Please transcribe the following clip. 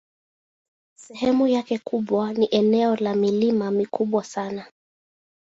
Sehemu yake kubwa ni eneo la milima mikubwa sana.